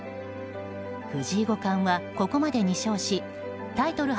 藤井五冠はここまで２勝しタイトル